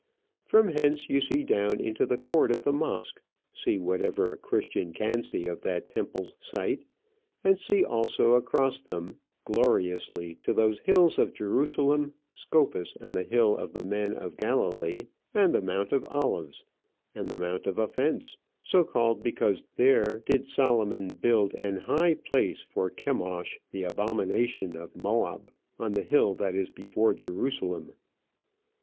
From hence you see down into the court of the mosque, see whatever a Christian can see of that temple's site, and see also across them gloriously to those hills of Jerusalem, Scopus, and the hill of the men of Galilee, and the Mount of Olives, and the Mount of Offence so called because there "did Solomon build an high place for Chemosh, the abomination of Moab, on the hill that is before Jerusalem."